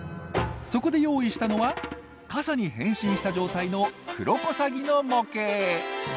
そこで用意したのは傘に変身した状態のクロコサギの模型！